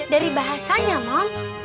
dari bahasanya mams